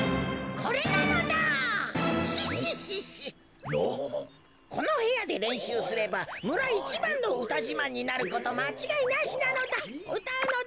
このへやでれんしゅうすればむらいちばんのうたじまんになることまちがいなしなのだ。